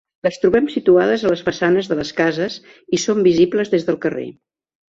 Les trobem situades a les façanes de les cases i són visibles des del carrer.